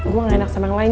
gue gak enak sama yang lain